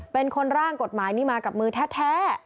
เป็นคนร่างกฎหมายนี้มากับมือแท้